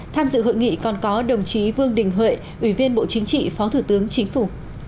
và có đồng chí vương đình huệ ủy viên bộ chính trị phó thủ tướng chính phủ